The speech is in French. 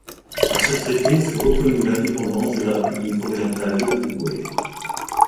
Par ce traité fut reconnue l'indépendance de la République orientale de l'Uruguay.